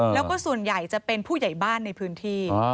แล้วก็ส่วนใหญ่จะเป็นผู้ใหญ่บ้านในพื้นที่